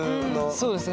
そうですね。